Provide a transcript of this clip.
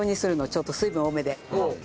ちょっと水分多めで。